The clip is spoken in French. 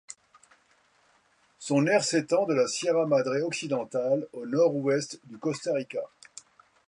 Son aire s'étend de le Sierra Madre occidentale au nord-ouest du Costa Rica.